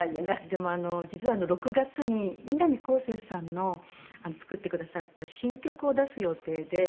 でも実は６月に南こうせつさんの作ってくださった新曲を出す予定で。